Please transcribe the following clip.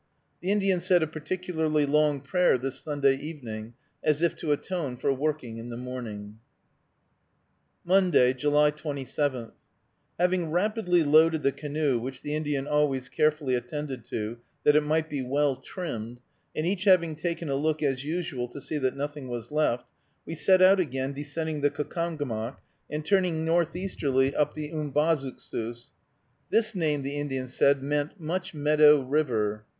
The Indian said a particularly long prayer this Sunday evening, as if to atone for working in the morning. MONDAY, July 27. Having rapidly loaded the canoe, which the Indian always carefully attended to, that it might be well trimmed, and each having taken a look, as usual, to see that nothing was left, we set out again descending the Caucomgomoc, and turning northeasterly up the Umbazookskus. This name, the Indian said, meant Much Meadow River.